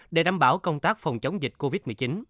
để đảm bảo công tác phòng chống dịch covid một mươi chín